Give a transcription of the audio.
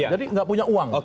jadi gak punya uang